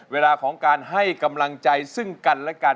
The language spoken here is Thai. เวลาของการให้กำลังใจซึ่งกันและกัน